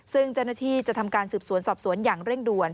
ซึ่งเจ้าหน้าที่จะทำการสืบสวนสอบสวนอย่างเร่งด่วน